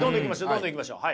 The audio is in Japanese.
どんどんいきましょう。